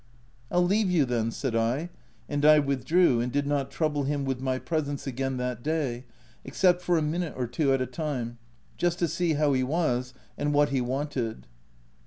(i Pll leave you then," said I, and I with drew, and did not trouble him with my presence again that day, except for a minute or two at a time, just to see how he was and what he wanted.